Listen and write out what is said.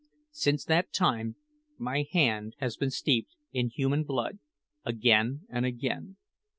Since that time my hand has been steeped in human blood again and again.